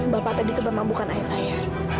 bapak tadi itu memang bukan ayah saya